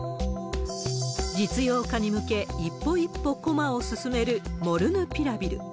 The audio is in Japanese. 実用化に向け一歩一歩駒を進めるモルヌピラビル。